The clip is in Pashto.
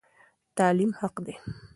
تعلیم حق دی.